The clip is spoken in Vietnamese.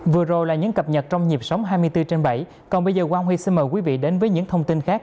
vừa rồi là những cập nhật trong nhịp sống hai mươi bốn trên bảy còn bây giờ quang huy xin mời quý vị đến với những thông tin khác